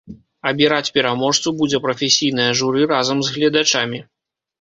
Абіраць пераможцу будзе прафесійнае журы разам з гледачамі.